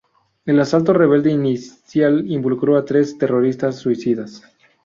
El asalto rebelde inicial involucró a tres terroristas suicidas.